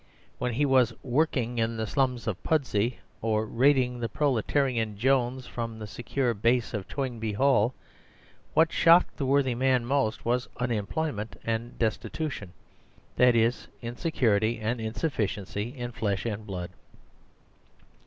When he was " working " in the slums of Pudsey or raiding the proletarian Jones's from the secure base of Toy nbee Hall, what shocked the worthy man most was "unemployment" and " destitution ": that is, insecurityand insufficiency in flesh and blood.